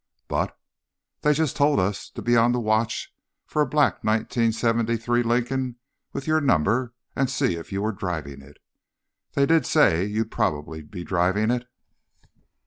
"But—" "They just told us to be on the watch for a black 1973 Lincoln with your number, and see if you were driving it. They did say you'd probably be driving it."